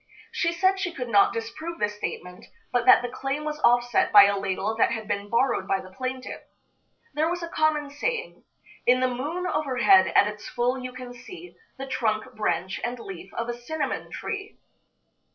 She said she could not disprove the statement, but that the claim was offset by a ladle that had been borrowed by the plaintiff. There was a common saying: "In the moon overhead, at its full, you can see The trunk, branch and leaf of a cinnamon tree."